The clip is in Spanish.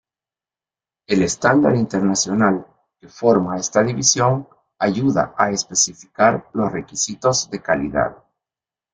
El estándar internacional que forma esta división ayuda a especificar los requisitos de calidad.